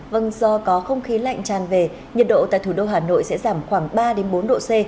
vâng do có không khí lạnh tràn về nhiệt độ tại thủ đô hà nội sẽ giảm khoảng ba bốn độ c